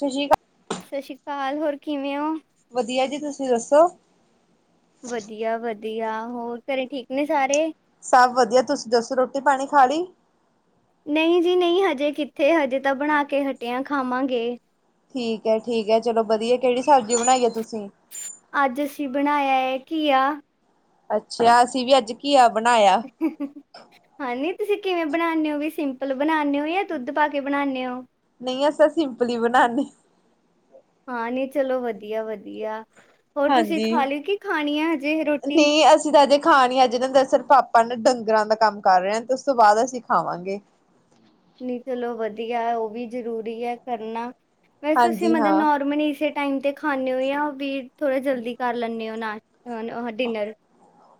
ਸੂਜੀ ਕਾ ਸਤਿ ਸ੍ਰੀ ਅਕਾਲ, ਹੋਰ ਕਿਵੇਂ ਹੋ? ਤੁਸੀ ਦੱਸੋ? ਵਧੀਆ-ਵਧੀਆ। ਹੋਰ ਘਰੇ ਠੀਕ ਨੇ ਸਾਰੇ? ਸਭ ਵਧੀਆ, ਤੁਸੀ ਦੱਸੋ ਰੋਟੀ ਪਾਣੀ ਖਾ ਲਈ? ਨਹੀਂ ਜੀ ਨਹੀਂ ਹਜੇ ਕਿੱਥੇ ਹਜੇ ਤਾਂ ਬਣਾ ਕੇ ਹਟੇ ਆਂ ਖਾਮਾਂਗੇ। ਠੀਕ ਹੈ ਠੀਕ ਹੈ ਚਲੋ ਵਧੀਆ ਕਿਹੜੀ ਸਬਜ਼ੀ ਬਣਾਈ ਹੈ ਤੁਸੀਂ ਅੱਜ ਅਸੀਂ ਬਣਾਇਆ ਹੈ ਘੀਆ, ਅੱਛਾ ਅਸੀਂ ਵੀ ਅੱਜ ਕੀ ਆ ਘਿਆ, ਹਨੀ, ਤੁਸੀਂ ਕਿਵੇਂ ਬਣਾਨੇ ਹੋ ਵੀ ਸਿੰਪਲ ਬਣਾਨੇ ਹੋ ਜਾਂ ਦੁੱਧ ਪਾ ਕੇ ਬਣਾਨੇ ਹੋ। ਨਹੀਂ ਅਸੀਂ ਸਿੰਪਲੀ ਹੀ ਬਣਾਨੇ ਆ, ਹਾਂ ਨੀ ਚਲੋ ਵਧੀਆ-ਵਧੀਆ, ਹੋਰ ਤੁਸੀਂ ਹਾਂਜੀ ਖਾ ਲਿਓ ਕੀ ਖਾਣੀ ਆ ਹਜੇ ਰੋਟੀ? ਨਹੀਂ ਅਸੀਂ ਤਾਂ ਅਜੇ ਖਾਣੀ ਆ ਅਜੇ ਤੁਹਾਨੂੰ ਦਸਿਆ ਪਾਪਾ ਨਾ ਡੰਗਰਾਂ ਦਾ ਕੰਮ ਕਰ ਰਹੇ ਤੇ ਉਸ ਤੋਂ ਬਾਅਦ ਅਸੀਂ ਖਾਵਾਂਗੇਂ ਨਹੀਂ ਚਲੋ ਵਧੀਆ ਉਹ ਵੀ ਜ਼ਰੂਰੀ ਹੈ ਕਰਨਾ। ਵੇਸੇ ਤੂਸੀ ਹਾਂਜੀ ਹਾਂ ਨੋਰਮਲੀ ਫੇਰ, ਟਾਈਮ 'ਤੇ ਖਾਂਦੇ ਹੋ ਜਾ ਵੀ, ਥੋੜ੍ਹਾ ਜਲਦੀ ਕਰ ਲੈਂਦੇ ਹੋ ਨਾ ਹਾ ਡੀਨਰ,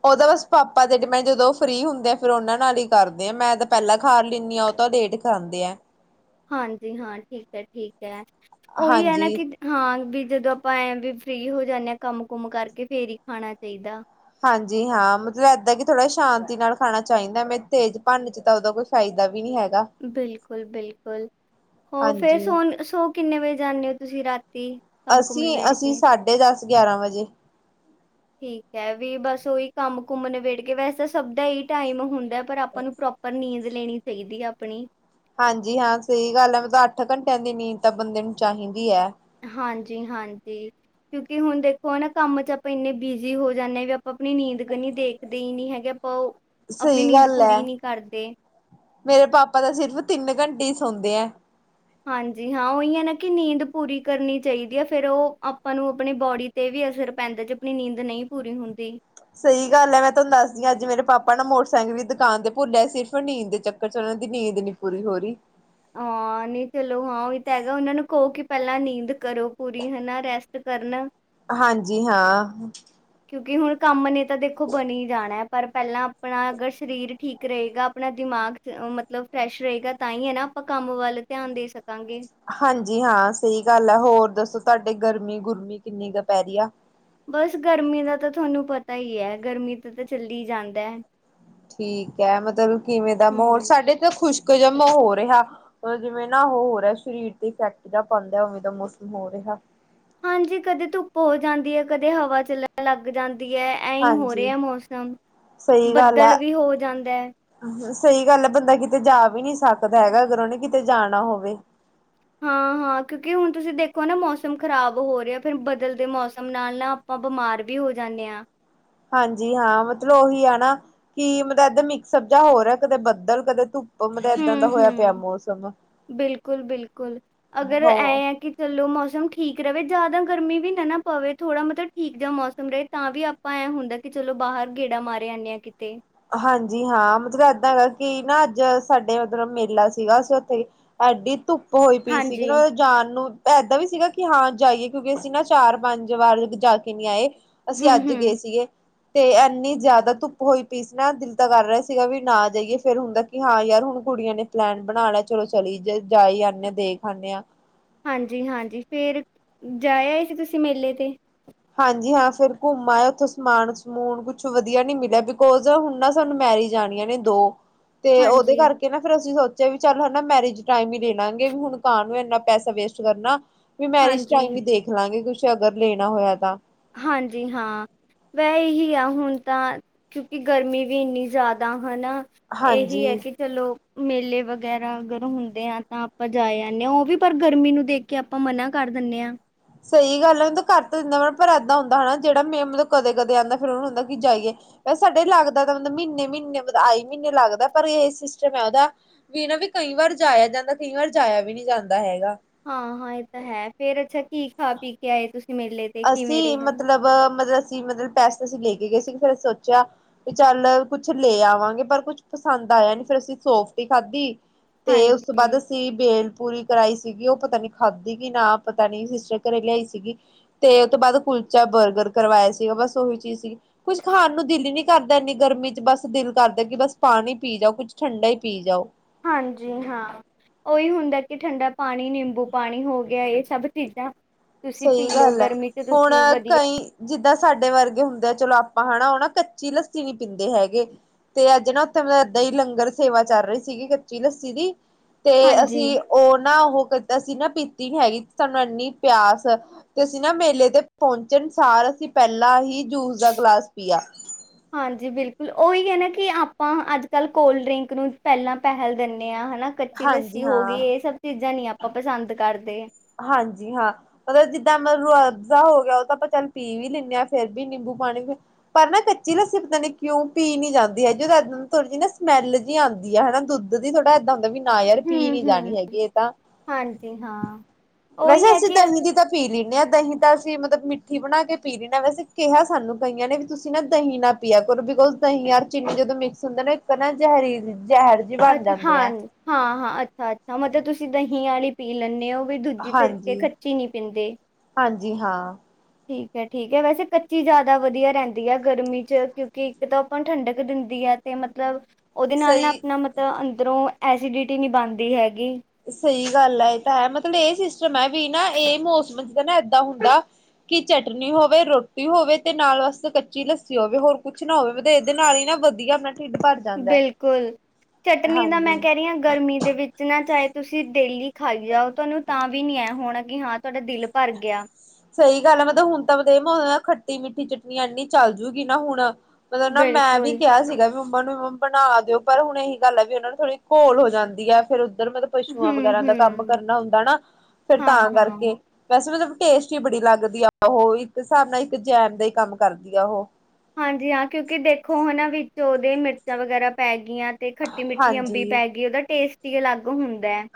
ਉਹ ਤਾਂ ਬਸ ਪਾਪਾ ਤੇ ਮੈਂ ਜਦੋਂ ਫ੍ਰਰੀ ਹੁੰਦੇ ਆ ਫਿਰ ਉਹਨਾ ਨਾਲ ਹੀ ਕਰਦੇ ਆ ਮੈਂ ਤਾਂ ਪਹਿਲਾਂ ਖਾ ਲੈਂਦੀ ਆ ਉਹ ਤਾਂ ਲੇਟ ਖਾਦੇ ਆ। ਹਾਂਜੀ, ਹਾਂ ਠੀਕ ਹੈ ਠੀਕ। ਉਹੀ ਹੈ ਨਾ ਹਾਂਜੀ ਕਿ ਹਾਂ ਵੀ, ਜਦੋਂ ਆਪਾਂ ਐਂ ਵੀ ਫ੍ਰਰੀ ਹੋ ਜਾਂਦੇ ਹਾਂ ਕੰਮ ਕੁਮ ਕਰਕੇ ਫੇਰ ਹੀ ਖਾਣਾ ਚਾਹੀਦਾ। ਹਾਂਜੀ ਹਾਂ ਮਤਲਬ ਇੱਦਾਂ ਕਿ ਥੋੜ੍ਹਾ ਸ਼ਾਂਤੀ ਨਾਲ ਖਾਣਾ ਚਾਹੀਦਾ ਮੈਂ ਤੇਜ਼ ਭੰਨ ਚ ਤਾਂ ਉਹਦਾ ਕੋਈ ਫਾਇਦਾ ਵੀ ਨਹੀਂੀ ਹੈਗਾ ਬਿਲਕੁਲ, ਬਿਲਕੁਲ ਹੋ ਫੇਰ ਹਾਂਜੀ ਸੋਨ ਸੋ ਕਿੰਨੇ ਵਜੇ ਜਾਂਦੇ ਹੋ ਤੁਸੀਂ ਰਾਤ ਅਸੀਂ ਅਸੀਂ ਸਾਡੇ ਦੱਸ ਗਿਆਰਾਂ ਵਜੇ ਠੀਕ ਹੈ ਵੀ ਬਸ ਉਹੀ ਕੰਮ ਘੁੰਮ ਨਿਬੇੜ ਕੇ ਵੈਸੇ ਸਭ ਦਾ ਹੀ ਟਾਈਮ ਹੁੰਦਾ ਪਰ ਆਪਾਂ ਨੂੰ ਪ੍ਰੋਪਰ ਨੀਂਦ ਲੈਣੀ ਚਾਹੀਦੀ ਆਪਣੀ ਹਾਂਜੀ ਹਾਂ ਸਹੀ ਗੱਲ ਹੈ ਮਤਲਬ ਅੱਠ ਘੰਟਿਆਂ ਦੀ ਨੀਂਦ ਤਾਂ ਬੰਦੇ ਨੂੰ ਚਾਹੀਦੀ ਐ। ਹਾਂਜੀ ਹਾਂਜੀ ਕਿਉਂਕਿ ਹੁਣ ਦੇਖੋ ਨਾ ਕੰਮ ਚ ਆਪਾਂ ਇੰਨੇ ਬਿਜੀ ਹੋ ਜਾਂਦੇ ਹਾਂ ਵੀ ਆਪਾਂ ਆਪਣੀ ਨੀਂਦ ਗਨੀ ਦੇਖਦੇ ਹੀ ਨਹੀਂ ਹੈਗੇਂ ਸਹੀ ਗੱਲ ਹੈ ਕਰਦੇ ਮੇਰੇ ਪਾਪਾ ਦਾ ਸਿਰਫ਼ ਤਿੰਨ ਘੰਟੇ ਸੋਂਦੇ ਐ ਹਾਂਜੀ ਹਾਂ ਉਹੀ ਹੈ ਨਾ ਕਿ ਨੀਂਦ ਪੂਰੀ ਕਰਨੀ ਚਾਹੀਦੀ ਹੈ ਫਿਰ ਉਹ ਆਪਾਂ ਨੂੰ ਆਪਣੇ ਬੋਡੀ ਤੇ ਵੀ ਅਸਰ ਪੈਂਦਾ ਜੇ ਆਪਣੀ ਨੀਂਦ ਨਹੀਂ ਪੂਰੀ ਹੁੰਦੀ ਸਹੀ ਗੱਲ ਹੈ ਮੈਂ ਤੁਹਾਨੂੰ ਦੱਸਦੀ ਹ ਅੱਜ ਮੇਰੇ ਪਾਪਾ ਨਾ ਮੋਟਰਸਾਈਕਲ ਦੀ ਦੁਕਾਨ ਤੇ ਭੁੱਲਿਆ ਸਿਰਫ਼ ਨੀਂਦ ਦੇ ਚੱਕਰ ਚ ਉਹਨਾਂ ਦੀ ਨੀਂਦ ਨੀ ਪੂਰੀ ਹੋ ਰਹੀ ਹਾਂ ਨਹੀਂ ਚਲੋ ਹਾਂ ਉਹੀ ਤਾਂ ਹੈਗਾ ਉਹਨਾਂ ਨੂੰ ਕਹੋ ਕਿ ਪਹਿਲਾਂ ਨੀਂਦ ਕਰੋ ਪੂਰੀ ਹਨਾ ਰੈਸਟ ਕਰਨ ਹਾਂਜੀ ਹਾਂ। ਕਿਉਂਕਿ ਹੁਣ ਕੰਮ ਨੇ ਤਾਂ ਦੇਖੋ ਬਣੀ ਜਾਣਾ ਪਰ ਪਹਿਲਾਂ ਆਪਣਾ ਅਗਰ ਸਰੀਰ ਠੀਕ ਰਹੇਗਾ ਆਪਣਾ ਦਿਮਾਗ ਮਤਲਬ ਫਰੈਸ਼ ਰਹੇਗਾ ਤਾਂ ਹੀ ਹੈ ਨਾ ਆਪਾਂ ਕੰਮ ਵੱਲ ਧਿਆਨ ਦੇ ਸਕ ਹਾਂਜੀ ਹਾਂ ਸਹੀ ਗੱਲ ਹੈ। ਹੋਰ ਦੱਸ ਤੁਹਾਡੇ ਗਰਮੀ ਗੁਰਮੀ ਕਿੰਨੀ ਕੁ ਪੈ ਰਹੀ ਐ। ਬਸ ਗਰਮੀ ਦਾ ਤਾਂ ਤੁਹਾਨੂੰ ਪਤਾ ਹੀ ਹੈ ਗਰਮੀ ਤੇ ਤਾਂ ਚੱਲੀ ਜਾਂਦਾ ਐ ਠੀਕ ਹੈ ਮਤਲਬ ਕਿਵੇਂ ਦਾ ਮਾਹੌਲ ਹੂੰ ਸਾਡੇ ਤਾਂ ਖੁਸ਼ ਜਮ ਹੋ ਰਿਹਾ ਜਿਵੇਂ ਨਾ ਉਹ ਹੋ ਰਿਹਾ ਸਰੀਰ ਤੇ ਇਫੈਕਟ ਪਾਦਾ ਉਵੇਂ ਦਾ ਮੌਸਮ ਹੋ ਰਿਹਾ। ਹਾਂਜੀ ਕਦੇ ਧੁੱਪ ਹੋ ਜਾਂਦੀ ਹੈ ਕਦੇ ਹਵਾ ਚੱਲਣ ਲੱਗ ਜਾਂਦੀ ਦੀ ਹੈ ਐਂ ਹੋ ਹਾਂਜੀ ਰਿਹਾ ਮੌਸਮ ਸਹੀ ਗੱਲ ਬੱਦਲ ਆ। ਵੀ ਹੋ ਜਾਂਦਾ ਐ। ਸਹੀ ਗੱਲ ਹੈ ਬੰਦਾ ਕਿਤੇ ਜਾ ਵੀ ਨੀ ਸਕਦਾ ਹੈਗਾ ਅਗਰ ਉਹਹਨੇ ਕਿਤੇ ਜਾਣਾ ਹੋਵੇ। ਹਾਂ ਹਾਂ, ਕਿਉਂਕਿ ਹੁਣ ਤੁਸੀਂ ਦੇਖੋ ਨਾ ਮੌਸਮ ਖ਼ਰਾਬ ਹੋ ਰਿਹਾ ਆ ਫਿਰ ਬਦਲਦੇ ਮੌਸਮ ਨਾਲ ਨਾ ਆਪਾਂ ਬਿਮਾਰ ਵੀ ਹੋ ਜਾਂਦੇ ਆ। ਹਾਂਜੀ ਹਾਂ ਮਤਲਬ ਉਹੀ ਹੈ ਨਾ ਕਿ ਮਤਲਬ ਐਦਾ ਮਿਕਸ ਸਬਜ਼ਾ ਹੋਰ ਹੈ ਕਦੇ ਬੱਦਲ ਕਦੇ ਧੁੱਪ ਮਤਲਬ ਏਦਾਂ ਦਾ ਹੋਇਆ ਪਿਆ ਹੂੰ-ਹੂੰ, ਮੌਸਮ। ਬਿਲਕੁਲ ਬਿਲਕੁਲ ਅਗਰ ਹੋ ਐ ਆ ਕਿ ਚਲੋ ਮੌਸਮ ਠੀਕ ਕਿ ਰਵੇ ਜਿਆਦਾ ਗਰਮੀ ਵੀ ਨਾ ਨਾ ਪਵੇ ਥੋੜਾ ਮਤਲਬ ਠੀਕ ਜ ਮੌਸਮ ਰਹੇ ਤਾਂ ਵੀ ਆਪਾਂ ਐਂ ਹੁੰਦਾ ਕਿ ਚਲੋ ਬਾਹਰ ਗੇੜਾ ਮਾਰੇ ਆਨੇ ਆ ਕਿਤੇ ਹਾਂਜੀ ਹਾਂ ਮਤਲਬ ਏਦਾਂ ਹੈਗਾ, ਕਿ ਨਾ ਅੱਜ ਸਾਡੇ ਮਤਲਬ ਮੇਲਾ ਸੀਗਾ ਅਸੀਂ ਉੱਥੇ ਐਡੀ ਧੁੱਪ ਹੋਈ ਪਈ ਸੀ ਗੀ ਹਾਂਜੀ ਨਾ ਉਥੇ ਜਾਨ ਨੂੰ ਇਦਾਂ ਵੀ ਸੀਗਾ ਕਿ ਹਾਂ ਜਾਈਏ ਕਿਉਂਕਿ ਅਸੀਂ ਨਾ ਚਾਰ ਪੰਜ ਵਾਰ ਜਾ ਕੇ ਨੀ ਆਏ। ਅਸੀਂ ਹੂੰ ਅੱਜ ਗਏ ਹੂੰ ਸੀਗੇ ਤੇ ਇੰਨੀ ਜਿਆਦਾ ਧੁੱਪ ਹੋਈ ਪੀਸੀ ਨਾ, ਪਹਿਲਾ ਨਾ ਦਿਲ ਤਾਂ ਕਰ ਰਿਹਾ ਸੀਗਾ ਵੀ ਨਾ ਜਾਈਏ ਫੇਰ ਹੁੰਦਾ ਕਿ ਹਾਂ ਯਾਰ ਹੁਣ ਕੁੜੀਆਂ ਨੇ ਪਲੈਨ ਬਣਾ ਲਿਆ ਚਲੋ ਚਲੀ ਜਾਈਏ ਜਾਈ ਆਨੇ ਆ ਦੇਖ ਆਨੇ ਆ। ਹਾਂਜੀ ਹਾਂਜੀ ਫੇਰ ਜਾਇਆ ਤੇ ਸੀ ਤੁਸੀਂ ਮੇਲੇ ਤੇ ਹਾਂਜੀ ਹਾਂ, ਫਿਰ ਘੁੰਮਾਂ ਉੱਥੋਂ ਸਮਾਨ ਸਮੂਨ ਕੁਛ ਵਧੀਆ ਨੀਂ ਮਿਲਿਆ ਬਿਕੋਜ ਹੁਣ ਨਾ ਸਾਨੂੰ ਮੈਰਿਜ ਆਣੀਆਂ ਨੇਂ ਦੋ ਤੇ ਉਹਦੇ ਹਾਂਜੀ, ਕਰਕੇ ਨਾ ਫੇਰ ਅਸੀਂ ਸੋਚ ਵੀ ਚੱਲ ਹਨਾਂ ਮੈਰਿਜ ਟਾਈਮ ਹੀ ਲੈ ਲਾਂਗੇ ਵੀ ਹੁਣ ਕਾਹ ਨੂੰ ਇੰਨਾ ਪੈਸਾ ਵੇਸਟ ਕਰਨਾ। ਵੀ ਮੈਰਿਜ ਹਾਂਜੀ, ਟਾਈਮ ਹੀ ਦੇਖ ਲਾਂਗੇ ਕੁਛ ਅਗਰ ਲੈਣਾ ਹੋਇਆ ਤਾਂ ਹਾਂਜੀ ਹਾਂ ਵੈ ਇਹੀ ਆ ਹੁਣ ਤਾਂ ਕਿਉਂਕਿ ਗਰਮੀ ਵੀ ਇੰਨੀ ਜ਼ਿਆਦਾ ਹਨਾਂ ਇਹੀ ਹਾਂਜੀ ਏਕਿ ਚਲੋ ਮੇਲੇ ਵਗੈਰਾ ਅਗਰ ਹੁੰਦੇ ਆ ਤਾਂ ਆਪਾਂ ਜਾ ਆਣੇ ਆਂ, ਉਹ ਵੀ ਪਰ ਗਰਮੀ ਨੂੰ ਦੇਖ ਕੇ ਆਪਾਂ ਮਨਾਂ ਕਰ ਦਿੰਨੇ ਆਂ। ਸਹੀ ਗੱਲ ਹੈ ਨੂੰ ਕਰ ਤਾਂ ਦਿੰਦਾ ਪਰ ਏਦਾਂ ਹੁੰਦਾ ਹਨਾਂ ਜਿਹੜਾ ਮੈਂ ਮਤਲਬ ਕਦੇ-ਕਦੇ ਆਦਾ ਫਿਰ ਉਹਨੂੰ ਹੁੰਦਾ ਕਿ ਜਾਈਏ, ਸਾਡੇ ਲੱਗਦਾ ਤਾਂ ਮਤਲਬ ਮਹੀਨੇ-ਮਹੀਨੇ ਮਤਲਬ ਆਈ ਮਹੀਨੇ ਲੱਗਦਾ। ਪਰ ਇਹ ਸਿਸਟਮ ਐ ਉਹਦਾ ਵੀਂ ਨਾਂ ਵੀ ਕਈ ਵਾਰ ਜਾਇਆ ਜਾਂਦਾ, ਕਈ ਵਾਰ ਜਾਇਆ ਵੀ ਨੀਂ ਜਾਂਦਾ ਹੈਗਾ। ਹਾਂ ਹਾਂ, ਇਹ ਤਾਂ ਹੈ ਫੇਰ ਅੱਛਾ ਕੀ ਖਾ ਪੀ ਕੇ ਆਏ ਤੁਸੀਂ ਮੇਲੇ ਤੇ ਕਿਵੇਂ ਅਸੀਂ ਰਿਹਾ? ਮਤਲਬ ਮਤਲਬ ਅਸੀਂ ਮਤਲਬ ਪੈਸੇ ਅਸੀਂ ਲੈ ਗਏ ਸੀ ਫੇਰ ਸੋਚਿਆ ਵੀ ਚੱਲ ਕੁੱਛ ਲੈ ਆਵਾਂਗੇ ਪਰ ਕੁੱਛ ਪਸੰਦ ਆਇਆ ਨੀਂ ਫੇਰ ਅਸੀਂ ਸੋਫਟੀ ਖਾਧੀ ਤੇ ਉਸ ਤੋਂ ਬਾਅਦ ਹਾਂਜੀ, ਅਸੀਂ ਬੇਲ ਪੂਰੀ ਕਰਾਈ ਸੀ। ਸੀਗੀ ਉਹ ਪਤਾ ਨੀਂ ਖਾਧੀ ਕਿ ਨਾਂ ਪਤਾ ਨੀ ਸਿਸਟਰ ਘਰੇ ਲਿਆਈ ਸੀਗੀ। ਤੇ ਉਹ ਤੋਂ ਬਾਅਦ ਕੁਲਚਾ ਬਰਗਰ ਕਰਵਾਇਆ ਸੀਗਾ। ਬਸ ਉਹੀ ਚੀਜ਼ ਸੀਗੀ। ਕੁੱਝ ਖਾਣ ਨੂੰ ਦਿਲ ਹੀ ਨੀਂ ਕਰਦਾ ਇੰਨੀ ਗਰਮੀ ਚ ਬਸ ਦਿਲ ਕਰਦਾ ਕਿ ਬਸ ਪਾਣੀ ਪੀ ਜਾਓ ਕੁੱਛ ਠੰਡਾ ਹੀ ਪੀ ਜਾਓ। ਹਾਂਜੀ ਹਾਂ, ਉਹੀ ਹੁੰਦਾ ਕਿ ਠੰਡਾ ਪਾਣੀ ਨਿੰਬੂ ਪਾਣੀ ਹੋ ਗਿਆ ਇਹ ਸਭ ਚੀਜ਼ਾਂ ਤੁਸੀਂ ਸਹੀ ਪੀ ਲਓ ਗੱਲ ਐ ਗਰਮੀ ਚ ਹੁਣ ਤੁਸੀਂ ਵਧੀਆ ਕਈ ਜਿੱਦਾਂ ਸਾਡੇ ਵਰਗੇ ਹੁੰਦੇ ਆ ਚਲੋ ਅਪ ਆਪਾਂ ਹੈਨਾਂ ਉਹ ਨਾਂ ਕੱਚੀ ਲੱਸੀ ਵੀ ਪੀਂਦੇ ਹੈਗੇ ਤੇ ਅੱਜ ਨਾਂ ਉੱਥੇ ਮਤਲਬ ਏਦਾਂ ਹੀ ਲੰਗਰ ਸੇਵਾ ਚੱਲ ਰਹੀ ਸੀਗੀ ਕੱਚੀ ਲੱਸੀ ਦੀ ਤੇ ਹਾਂਜੀ। ਅਸੀਂ ਉਹ ਨਾ ਉਹ ਕੀਤਾ ਅਸੀ ਨਾਂ। ਬੀਤੀ ਨੀਂ ਹੈਗੀ ਸਾਨੂੰ ਇੰਨੀ ਪਿਆਸ ਤੇ ਅਸੀਂ ਨਾ ਮੇਲੇ ਤੇ ਪਹੁੰਚਣ ਸਾਰ ਅਸੀਂ ਪਹਿਲਾਂ ਹੀ ਜੂਸ ਦਾ ਗਿਲਾਸ ਪੀਆ। ਹਾਂਜੀ, ਬਿਲਕੁਲ ਉਹੀ ਐ ਨਾ ਕਿ ਆਪਾਂ ਅੱਜ-ਕੱਲ੍ਹ ਕੋਲਡ ਡਰਿੰਕ ਨੂੰ ਪਹਿਲਾਂ ਪਹਿਲ ਦਿੰਣੇ। ਹਨਾਂ ਕੱਚੀ ਹਾਂਜੀ ਲੱਸੀ ਹੋ ਗਈ ਹਾਂ। ਇਹ ਸਭ ਚੀਜ਼ਾਂ ਨੀਂ ਆਪ ਆਪਾਂ ਪਸੰਦ ਕਰਦੇ। ਹਾਂਜੀ ਹਾਂ, ਮਤਲਬ ਜਿੱਦਾਂ ਰੂਹਅਬਜਾ ਹੋ ਗਿਆ ਉਹ ਤਾਂ ਆਪਾਂ ਚੱਲ ਪੀ ਵੀ ਲੈਂਣੇ ਆਂ। ਫੇਰ ਵੀ ਨਿੰਬੂ ਪਾਣੀ ਪਰ ਨਾ ਕੱਚੀ ਲੱਸੀ ਪਤਾ ਨੀਂ ਕਿਉਂ ਪੀ ਨਹੀਂ ਜਾਂਦੀ ਜਦੋਂ ਇਦਾਂ ਥੋੜ੍ਹੀ ਜਿਹੀ ਨਾ ਸਮੈਲ ਜਿਹੀ ਆਂਦੀ ਆ ਹਨਾਂ ਦੁੱਧ ਦੀ ਥੋੜ੍ਹਾ ਏਦਾਂ ਹੁੰਦਾ ਵੀ ਨਾ ਯਾਰ ਪੀ ਹੂੰ ਨੀ ਹੂੰ ਜਾਣੀ ਹੈਗੀ ਇਹ ਤਾਂ। ਹਾਂਜੀ ਹਾਂ ਵੈਸੇ ਉਹੀ ਹੈ ਐਸੀੇ ਕਿ ਤਗ ਨ ਦੀ ਤਾਂ ਪੀ ਲੈਂਣੇ ਹਾਂ ਦਹੀਂ ਤਾਂ ਅਸੀਂ ਮਤਲਬ ਮਿੱਠੀ ਬਣਾ ਕੇ ਪੀ ਲੈਂਣੇ ਹਾਂ ਵੈਸੇ ਕਿਹਾ ਸਾਨੂੰ ਕਈਆਂ ਨੇ ਵੀ ਤੁਸੀਂ ਨਾ ਦਹੀਂ ਨਾਂ ਪੀਆ ਕਰੋ ਬਿਕੋਜ ਦਹੀਂ ਯਾਰ ਚੀਨੀ ਜਦੋਂ ਮਿਕਸ ਹੁੰਦੇ ਨੇ ਇੱਕ ਨਾ ਜ਼ਹਿਰੀ ਜ਼ਹਿਰ ਜਿਹੀ ਬਣ ਅੱਛਾ ਜਾਂਦੇ ਹੈ ਹਾਂਜ, ਹਾਂ ਹਾਂ ਅੱਛਾ ਅੱਛਾ, ਮਤਲਬ ਤੁਸੀਂ ਦਹੀਂ ਵਾਲੀ ਪੀ ਲੈਂਣੇ ਔ। ਕੋਈ ਦੂਜੀ ਤਿਰਕੇ ਖਰਚੀ ਨਹੀਂ ਪੀਂਦੇ। ਜੀ ਹਾਂ। ਠੀਕ ਐ, ਠੀਕ ਐ ਵੈਸੇ ਕੱਚੀ ਜ਼ਿਆਦਾ ਵਧੀਆ ਰਹਿੰਦੀ ਐ ਗਰਮੀ ਚ ਕਿਉਂਕਿ ਇੱਕ ਤਾਂ ਆਪਾਂ ਨੂੰ ਠੰਡਕ ਦਿੰਦੀਏ ਤੇ ਮਤਲਬ ਉਹਦੇ ਨਾਲ ਨਾ ਸਹੀ ਆਪਣਾ ਮਤਲਬ ਅੰ ਉੱਧਰੋਂ ਐਸੀਡਿਟੀ ਨਹੀਂ ਬਣਦੀ ਹੈਗੀ। ਸਹੀ ਗੱਲ ਹੈ ਇਹ ਤਾਂ ਹੈ ਮਤਲਬ ਇਹ ਸਿਸਟਮ ਹੈ ਵੀ ਨਾ ਇਹ ਮੌਸਮ ਚ ਤਾਂ ਨਾ ਇਏਦਾਂ ਹੁੰਦਾ ਕਿ ਚਟਨੀ ਹੋਵੇ ਰੋਟੀ ਹੋਵੇ ਤੇ ਨਾਲ ਵਾਸ ਕੱਚੀ ਲੱਸੀ ਹੋਵੇ ਹੋਰ ਕੁਛ ਨਾ ਹੋਵੇਬ ਇਹਦੇ ਨਾਲ ਹੀ ਨਾ ਵਧੀਆ ਆਪਣਾ ਢਿੱਡ ਭਰ ਜਾਂਦਾ ਹੈ। ਬਿਲਕੁਲ ਚਟਨੀ ਦਾ ਮੈਂ ਹਾਂਜੀ ਕਹਿ ਰਹੀ ਹਾਂ ਗਰਮੀ ਦੇ ਵਿੱਚ ਨਾ ਚਾਹੇ ਤੁਸੀਂ ਡੇਲੀ ਖਾਈ ਜਾਓ। ਤੁਹਾਨੂੰ ਤਾਂ ਵੀ ਨੀ ਇਹ ਹੋਣਾ। ਹਾਂ। ਤੁਹਾਡਾ ਦਿਲ ਭਰ ਗਿਆ ਸਹੀ ਗੱਲ ਆ ਮਤਲਬ ਹੁਣ ਤਾਂ ਤੇ ਮਿੱਠੀ ਚਟਨੀ ਇੰਨੀ ਚੱਲ ਜੂਗੀ ਨਾ ਹੁਣ। ਮਤਲਬ ਨਾ ਮੈਂ ਵੀ ਬਿਲਕੁਲ ਕਿਹਾ ਸੀਗਾ ਵੀ ਮੰਮਾ ਨੂੰ ਬਣਾ ਦਿਓ ਪਰ ਹੁਣ ਇਹੀ ਗੱਲ ਹੈ ਵੀ ਉਹਨਾਂ ਨੂੰ ਥੋੜ੍ਹੀ ਘੋਲ ਹੋ ਜਾਂਦੀ ਫਿਰ ਉੱਧਰ ਮਤਲਬ ਪਸੂਆਂ ਹੂੰ ਵਗੈਰਾ ਦਾ ਕੰਮ ਹੂੰ ਕਰਨਾ ਹੁੰਦਾ ਨਾ ਫੇਰ ਹਾਂ ਤਾਂ ਹਾਂ ਕਰਕੇ ਵੈਸੇ ਮਤਲਬ ਟੇਸਟ ਹੀ ਬੜੀ ਲੱਗਦੀ ਆ ਉਹ ਇੱਕ ਹਿਸਾਬ ਨਾਲ ਇੱਕ ਜੈਮ ਦਾ ਹੀ ਕੰਮ ਕਰਦੀ ਆ ਉਹ। ਹਾਂਜੀ ਹਾਂ ਕਿਉਂਕਿ ਦੇਖੋ ਹਨਨਾਂ ਵਿੱਚ ਉਹਦੇ ਮਿਰਚਾਂ ਵਗੈਰਾ ਪੈ ਗ ਦੀਆਂ ਤੇ ਖੱਟੀ ਮਿੱਠੀ ਅੰਬੀ ਹਾਂਜੀ ਪੈ ਗਈ ਉਹਦਾ ਟੇਸਟ ਤੇ ਲੱਗ-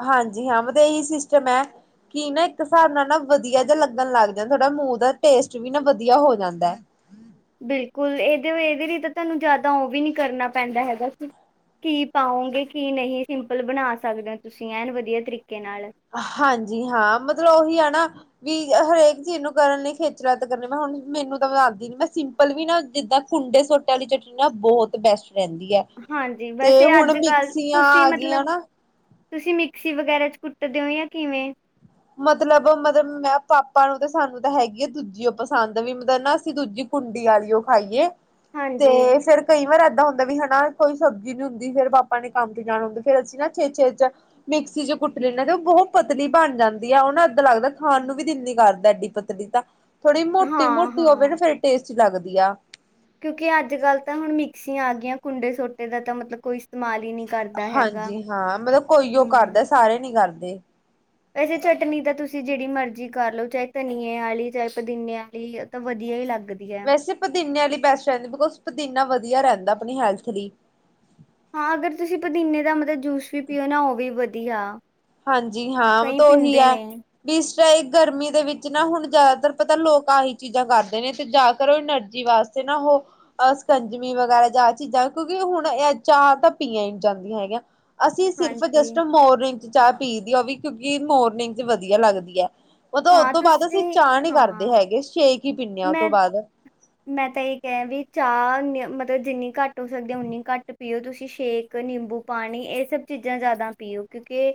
ਹਾਂਜੀ ਹਾਂ। ਸਿਸਟਮ ਹੈ ਕਿ ਨਾ ਇੱਕ ਹਿਸਾਬ ਨਾਲ ਨਾ ਵਧੀਆ ਜ ਲੱਗਣ ਲੱਗ ਜਾਂਦਾ ਥੋੜਾ ਮੂੰਹ ਦਾ ਟੇਸਟ ਵੀ ਨਾ ਵਧੀਆ ਹੋ ਜਾਂਦਾ ਹੈ। ਬਿਲਕੁਲ ਇਹਦੇ-ਇਹਦੇ ਲਈ ਤਾਂ ਤੁਹਾਨੂੰ ਜਿਆਦਾ ਉਹ ਵੀ ਨੀ ਕਰਨਾ ਪੈਂਦਾ ਹੈਗਾ ਕੀ ਪਾਓਗੇ ਕੀ ਨਹੀਂ ਸਿੰਪਲ ਬਣਾ ਸਕਦੇ ਹੋ ਤੁਸੀਂ ਐਨ ਵਧੀਆ ਤਰੀਕੇ ਨਾਲ ਹਾਂਜੀ ਹਾਂ ਮਤਲਬ ਉਹੀ ਆ ਨਾ ਵੀ ਹਰੇਕ ਚੀਜ਼ ਨੂੰ ਕਰਨ ਲਈ ਖੇਚਲਾਤ ਕਰਨ ਮੈਂ ਹੁਣ ਮੈਨੂੰ ਤਾਂ ਮ ਦੱਸਦੀ ਨ ਮੈਂ ਸਿੰਪਲ ਵੀ ਨਾ ਜਿੱਦਾਂ ਖੁੰਡੈ ਸੋਟੇ ਵਾਲੀ ਚਟਨੀ ਨਾ ਬਹੁਤ ਬੈਸਟ ਰਹਿੰਦੀ ਹੈ ਹਾਂਜੀ ਤੇ ਵੈਸੇ ਹੁਣ ਅੱਜ ਕੱਲ ਮਿਕਸੀਆਂ ਤੁਸੀਂ ਆ ਮਤਲਬ ਗਈਆਂ ਨਾ- ਤੁਸੀਂ ਮਿਕਸੀ ਵਗੈਰਾ ਚ ਕੁੱਟਦੇ ਹੋ ਜਾਂ ਕਿਵੇਂ? ਮਤਲਬ-ਮਤਲਬ ਮੈਂ ਪਾਪਾ ਨੂੰ ਤਾਂ ਸਾਨੂੰ ਤਾਂ ਹੈਗੀ ਆ ਦੂਜੀ ਉਹ ਪਸੰਦ ਵੀ ਮਤਲਬ ਨਾ ਅਸੀਂ ਦੂਜੀ ਕੁੰਡੀ ਆਲੀਓ ਖਾਈਏ। ਤੇ ਹਾਂਜੀ ਫਿਰ ਕਈ ਵਾਰ ਅਜ ਹੁੰਦਾ ਵੀ ਹਨਾ ਕੋਈ ਸਬਜ਼ੀ ਨੀ ਹੁੰਦੀ ਫੇਰ ਬਾਪਾ ਨੇ ਕੰਮ ਤੇ ਜਾਣਾ ਹੁੰਦਾ ਫਿਰ ਅਸੀਂ ਨਾ ਛੇ ਛੇ ਚ ਮਿਕਸੀ ਚ ਕੁੱਟ ਲੈਂਦੇ ਹਾਂ ਤੇ ਉਹ ਬਹੁਤ ਪਤਲੀ ਬਣ ਜਾਂਦ ਵਧ ਉਹ ਨਾ ਇੱਦਾਂ ਲੱਗਦਾ ਖਾਣ ਨੂੰ ਵੀ ਦਿਲ ਨੀ ਕਰਦਾ ਐਡੀ ਪਤਲੀ ਤਾਂ ਥੋੜ੍ਹੀ ਹਾਂ ਮੋਟੀ-ਮੋਟੀ ਹੋਵੇ ਨਾ ਹਾਂ ਫੇਿਰ ਟੇਸਟ ਲੱਗਦੀ ਆ। ਕਿਉਂਕਿ ਅੱਜ ਕੱਲ੍ਹ ਤਾਂ ਹੁਣ ਮਿਕਸੀਆਂ ਆ ਗਈਆਂ ਕੁੰਡੇ ਸੋਟੇ ਦਾ ਤਾਂ ਮਤਲਬ ਕੋਈ ਇਸਤੇਮਾਲ ਹੀ ਨਹੀਂ ਕਰਦਾ ਹੈਗਾ। ਹਾਂਜੀ ਹਾਂ ਮਤਲਬ ਕੋਈ ਉਹ ਹੂੰ ਕਰਦਾ ਸਾਰੇ ਨੀ ਕਰਦੇ ਦੇ ਵੈਸੇ ਚਟਨੀ ਦਾ ਤੁਸੀਂ ਜਿਹੜੀ ਮਰਜ਼ੀ ਕਰ ਲਓ ਚਾਹੇ ਧਨੀਏ ਵਾਲੀ ਚਾਹੇ ਪੁਦੀਨੇ ਵਾਲੀ ਤਾਂ ਵਧੀਆ ਹੀ ਲੱਗ ਵੈਸੇ ਪੁਦੀਨੇ ਵਾਲੀ ਬੈਸਟ ਰਹਿੰਦੀ ਬਿਕੋਜ ਪੁਦੀਨਾ ਵਧੀ ਵਧੀਆ ਰਹਿੰਦਾ ਆਪਣੀ ਹੈਲਥ ਲਈ। ਹਾਂ ਅਗਰ ਤੁਸੀਂ ਪੁਦੀਨੇ ਦਾ ਮਤਲਬ ਜੂਸ ਵੀ ਪੀਓ ਨਾ ਉਹ ਵੀਧਆ। ਦੀ ਹਾ ਹਾਂਜੀ ਹਾਂ ਤਾਂ ਉਹੀ ਹੈ ਕੀ ਚ ਇਹ ਗਰਮੀ ਦੇ ਵਿੱਚ ਨਾ ਹੁਣ ਜ਼ਿਆਦਾਤਰ ਪਤਾ, ਲੋਕ ਆਹੀ ਚੀਜ਼ਾਂ ਕਰਦੇ ਨੇ। ਤੇ ਜਾ ਕਰ ਉਹ ਐਨਰਜੀ ਵਾਸਤੇ ਨਾ ਉਹਹ ਸਕੰਜਮੀ ਵਗੈਰਾ ਜਾਂ ਚੀਜ਼ਾਂ ਕਿਉਂਕਿ ਹੁਣ ਇਹ ਚਾਹਾ ਤਾਂ ਪੀਆ ਹੀ ਨੀਜਾਂਦੀਆਂ ਹੈਗੀਆਂ। ਅਸੀਂ ਸਿਰਫ ਜਸਟ ਹਾਂਜੀ ਮੋਰੀ ਚਾਹ ਪੀ ਦੀ ਆ ਵੀ ਕਿਉਂਕਿ ਮੋਰਨਿੰਗ ਚ ਵਧੀਆ ਲੱਗਦੀ ਆ। ਉਹ ਤਾਂ ਉਹਤ ਹਾਂ ਤੋਂ ਬਾਅਦ ਅਸੀਂ ਤੁਸੀਂ ਚਾਹਅ ਨ ਕਰਦੇ ਹਾਂ ਹੈਗੇ। ਛੇਕ ਹੀ ਪੀਨੇ ਆ ਉਹ ਮੈਂ ਤੋਂ ਬਾਅਦ। ਮੈਂ ਤਾਂ ਇਹ ਕਹਿ ਵੀ ਚਾਹ ਮਤਲਬ ਜਿੰਨੀ ਘੱਟ ਹੋ ਸਕਦੀ ਓਨੀ ਘੱਟ ਪੀਓ। ਤੁਸੀਂ ਸ਼ੇਕ, ਨਿੰਬੂ ਪਾਣੀ ਇਹ ਸਭ ਚੀਜ਼ਾਂ ਜ਼ਿਆਦਾ ਪੀਓ। ਕਿਉਂਕਿ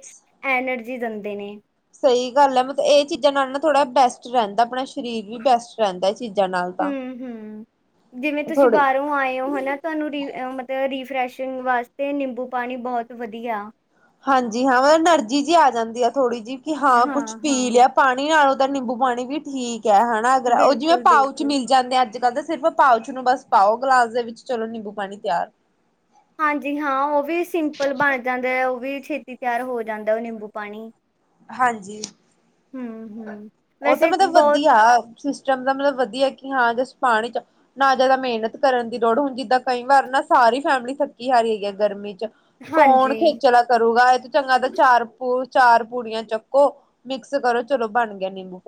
ਐਨਰਜੀ ਦਿੰਦੇ ਨੇ। ਸਹੀ ਗੱਲ ਹੈ ਮਤਲਬ ਇਹ ਚੀਜ਼ਾਂ ਨਾਲ ਨਾ ਥੋੜ੍ਹਾ ਬੈਸਟ ਰਹਿੰਦਾ। ਆਪਣਾ ਸਰੀਰ ਵੀ ਬੈਸਟ ਰਹਿੰਦਾ। ਚੀਜ਼ਾਂ ਨਾਲ ਹੂੰ ਤਾਂ ਹੂੰ ਜਿਵੇਂ, ਤੁਸੀਂ ਥੋੜੀ ਬਾਹਰੋਂ ਆਏ ਹੋ ਹਨਾ। ਤੁਹਾਨੂੰ ਮਤਲਬ ਰੀਫਸ਼ ਵਾਸਤੇ ਨਿੰਬੂ ਪਾਣੀ ਬਹੁਤ ਵਦੀਆ। ਹਾਂਜੀ, ਹਾਂ ਮੈਂ ਐਨਰਜੀ ਜੀ ਆ ਜਾਂਦੀ ਆ। ਥੋੜ੍ਹੀ ਜਿਹੀ ਕਿ ਹਾਂ ਕੁੱਛ ਪੀ ਲਿਆ ਪਾਣੀ ਨਾਲੋਂ ਨਿੰਬੂ ਪਾਣੀ ਵੀ ਠੀ ਕੇਆ ਹੈਨਾ। ਅਗਰ ਉਹ ਜਿਵੇਂ ਬਿਲਕੁਲ ਪਾਊਚ ਬਿਲਕੁਲ ਮਿਲ ਜਾਂਦੇ ਆ। ਅੱਜ- ਕੱਲ ਤਾਂ ਸਿਰਫ ਪਾਓਚ ਨੂੰ ਬਸ ਪਾਓ ਗਿਲਾਸ ਦੇ ਵਿੱਚ ਚਲੋ ਨਿੰਬੂ ਪਾਣੀ ਤਿਆਰ। ਹਾਂਜੀ, ਹਾਂ ਉਹ ਵੀ ਸਿੰਪਲ ਬਣ ਜਾਂਦਾ ਏ। ਉਹ ਵੀ ਛੇਤੀ ਤਿਆਰ ਹੋ ਜਾਂਦਾ ਉਹ ਨਿੰਬੂ ਪਾਨੀ। ਹਾਂਜੀ। ਹੂੰ, ਹੂੰ। ਉਹ ਤਾਂ ਵੈਸੇ ਇੱਕ ਮਤਲਬ ਬਹੁਤ ਵਧੀਆ, ਸਿਸਟਮ ਦਾ ਮਤਲਬ ਵਧੀਆ ਹਾਂ ਜਸਟ ਪਾਣੀ ਚ ਨਾ ਜਿਆਦਾ ਮਿਹਨਤ ਕਰਨ ਦੀ ਲੋੜ ਹੁਣ ਜਿੱਦਾਂ, ਕਈ ਵਾਰ ਨਾ ਸਾਰੀ ਫੈਮਿਲੀ ਥੱਕੀ- ਹਾਰੀ ਹੈਗੀ ਹੈ ਗਰਮੀ ਚ ਕੌਣ ਹਾਂਜੀ ਖੇਚਲਾ ਕਰੂਗਾ। ਚੰਗਾ ਤਾਂ ਚਾਰ ਚਾਰ ਪੂੜੀਆਂ ਚੱਕੋ ਮਿਕਸ ਕਰੋ ਚਲੋ ਬਣ [inaudible]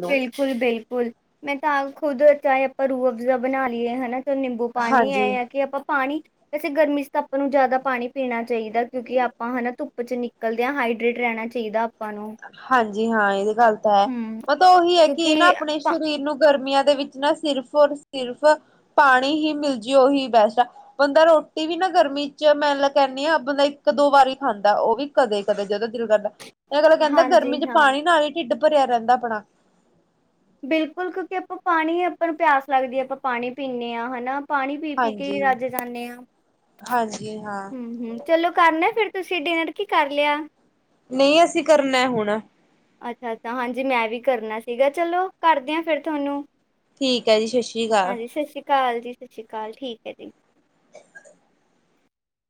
ਲੋ ਬਿਲਕੁਲ, ਬਿਲਕੁਲ ਮੈਂ ਤਾਂ ਆਪ ਖੁਦ ਚਾਏ ਆਪਾਂ ਰੂਹ ਅਫਜ਼ਾ ਬਨਾ ਲਈਏ ਹਨਾ। ਨਿੰਬੂ ਪਾਨੀ ਹੈ ਹਾਂਜੀ ‌, ਆ ਕਿ ਆਪਾਂ ਪਾਨੀ ਵੇਸੇ ਗਰਮੀ ਚ ਤਾਂ ਆਪਾਂ ਨੂੰ ਜ਼ਿਆਦਾ ਪਾਣੀ ਪੀਣਾ ਚਾਹੀਦਾ। ਕਿਉਂਕਿ, ਆਪਾਂ ਹਨਾ ਧੁੱਪ ਚ ਨਿਕਲਦੇ ਆ ਹਾਈਡਰੇਟ ਰਹਿਣਾ ਚਾਹੀਦਾ। ਆਪਾਂ ਨੂੰ ਹਾਂਜੀ ਹਾਂ ਇਹਦੀ ਗੱਲ ਤਾਂ ਹੈ ਹਮ ਪਤਾ ਓ ਉਹੀ ਹੈ ਕਿ, ਕਿਉਂਕਿ ਨਾ ਆਪਣੇ ਪਾ ਸਰੀਰ ਨੂੰ ਗਰਮੀਆਂ ਦੇ ਵਿੱਚ ਨਾ ਸਿਰਫ ਔਰ ਸਿਰਫ ਪਾਣੀ ਹੀ ਮਿਲ ਜੇ ਉਹੀ ਬੈਸਟ ਆ। ਬੰਦਾ ਰੋਟੀ ਵੀ ਨਾ ਗਰਮੀ ਚ ਮੈ ਕਹਿੰਦੀ ਆ ਬੰਦਾ ਇੱਕ ਦੋ ਵਾਰੀ ਖਾਂਦਾ ਉਹ ਵੀ ਕਦੇ, ਕਦੇ ਜਦੋ ਦਿਲ ਕਰਦਾ। ਇਹ ਗਲੋ ਕਹਿੰਦਾ ਹਾਂਜੀ ਗਰਮੀ ਚ ਹਾਂ ਪਾਣੀ ਨਾਲ ਹੀ ਢਿੱਡ ਭਰਿਆ ਰਹਿੰਦਾ ਆਪਣਾ। ਬਿਲਕੁਲ ਕਿਉਂਕਿ ਆਪਾਂ ਪਾਣੀ ਆਪਾਂ ਨੂੰ ਪਿਆਸ ਲੱਗਦੀ ਹੈ, ਆਪਾਂ ਪਾਣੀ ਪੀਂਦੇ ਹਾਂ ਹਨਾ। ਪਾਣੀ ਪੀ -ਪੀ ਕੇ ਹੀ ਹਾਂਜੀ। ਰੱਜੇ ਜਾਂਦੇ ਹਾਂ ਹਾਂਜੀ ਹਾਂ ਹੂੰ, ਹੂੰ। ਚਲੋ ਕਰਨਾ ਫਿਰ ਤੁਸੀਂ ਡਿਨਰ ਕੀ ਕਰ ਲਿਆ। ਨਹੀਂ ਅਸੀਂ ਕਰਨਾ ਹੁਣ ਅੱਛਾ, ਅੱਛਾ ਹਾਂਜੀ ਮੈਂ ਵੀ ਕਰਨਾ ਸੀਗਾ ਚਲੋ ਕਰਦੇ ਹਾਂ ਫਿਰ ਤੁਹਾਨੂੰ ਠੀਕ ਹੈ ਜੀ ਸਸ਼ ਰੀ ਕਾਲ। ਕਾਲ ਜੀ ਸਸ ਰੀ ਕਾਲ, ਠੀਕ ਹੈ ਜੀ।